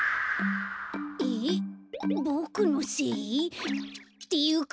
えっボクのせい？っていうか